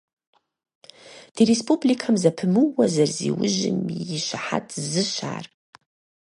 Ди республикэм зэпымыууэ зэрызиужьым и щыхьэт зыщ ар.